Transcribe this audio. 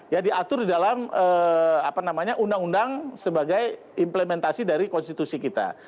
ya diatur di dalam undang undang sebagai implementasi dari konstitusi kita